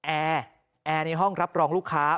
แอร์ในห้องรับรองลูกค้า